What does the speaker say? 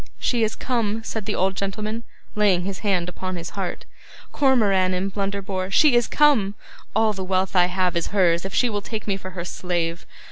'She is come!' said the old gentleman, laying his hand upon his heart. 'Cormoran and Blunderbore! She is come! All the wealth I have is hers if she will take me for her slave.